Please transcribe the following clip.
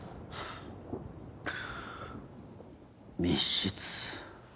密室。